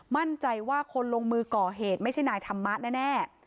มั่นใจว่าคนลงมือก่อเหตุไม่ใช่นายธรรมะแน่